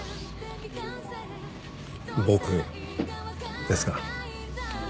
僕ですか？